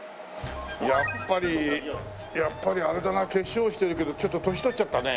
やっぱりやっぱりあれだな化粧してるけどちょっと年取っちゃったね。